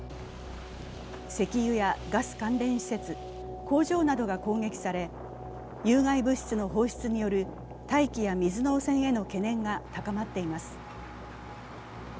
石油やガス関連施設、工場などが攻撃され、有害物質の放出による大気や水の汚染への懸念が高まっています。